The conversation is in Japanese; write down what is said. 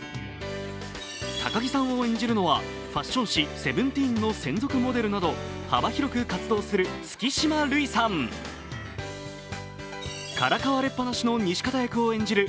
高木さんを演じるのは、ファッション誌「Ｓｅｖｅｎｔｅｅｎ」の専属モデルなど幅広く活動する月島琉衣さん。からかわれっぱなしの西片役を演じる